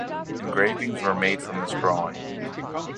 Engravings were made from this drawing.